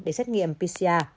để xét nghiệm pcr